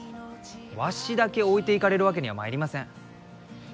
わしだけ置いていかれるわけにはまいりません。